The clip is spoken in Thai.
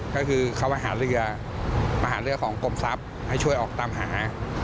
ก็คือเขามาหาเรือมาหาเรือของกรมทรัพย์ให้ช่วยออกตามหา